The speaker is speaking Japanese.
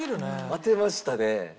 当てましたね。